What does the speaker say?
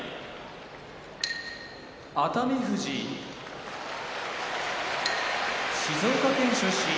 熱海富士静岡県出身